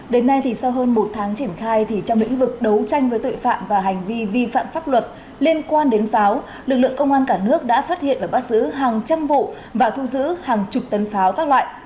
đến nay thì sau hơn một tháng triển khai thì trong lĩnh vực đấu tranh với tội phạm và hành vi vi phạm pháp luật liên quan đến pháo lực lượng công an cả nước đã phát hiện và bắt giữ hàng trăm vụ và thu giữ hàng chục tấn pháo các loại